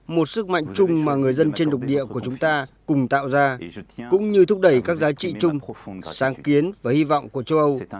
một sức mạnh chung mà người dân trên lục địa của chúng ta cùng tạo ra cũng như thúc đẩy các giá trị chung sáng kiến và hy vọng của châu âu